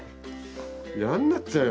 やんなっちゃうよ。